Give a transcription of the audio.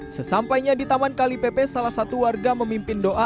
sesampainya di taman kalipepe salah satu warga memimpin doa